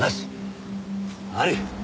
あり！